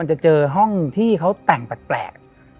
จะเจอห้องที่เขาแต่งแปลก